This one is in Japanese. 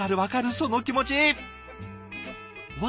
その気持ち！わ